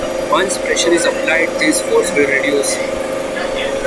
Once pressure is applied this force will reduce.